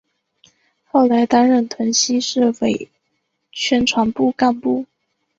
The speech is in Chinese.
后来担任屯溪市委宣传部干部。